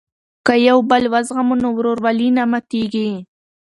که یو بل وزغمو نو ورورولي نه ماتیږي.